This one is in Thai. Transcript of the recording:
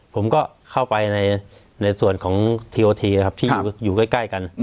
ผมก็เข้าไปในส่วนของทีโอทีนะครับที่อยู่ใกล้กัน